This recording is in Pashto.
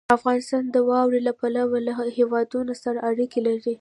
افغانستان د واورې له پلوه له هېوادونو سره اړیکې لري.